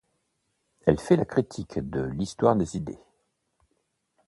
Elle fait la critique de l'histoire des idées.